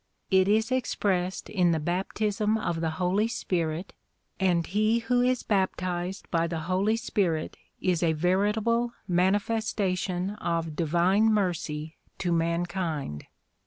It is expressed in the baptism of the Holy Spirit, and he who is baptized by the Holy Spirit is a veritable manifestation of divine mercy to mankind.